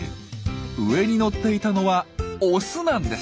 上に乗っていたのは「オス」なんです。